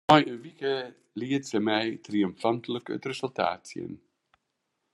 Nei in wike liet se my triomfantlik it resultaat sjen.